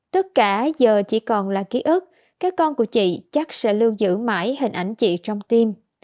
tất cả giờ chỉ còn là ký ức các con của chị chắc sẽ lưu giữ mãi hình ảnh chị trong tim